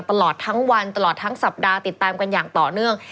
ตลอดทั้งวันตลอดทั้งสัปดาห์ติดตามกันอย่างต่อเนื่อง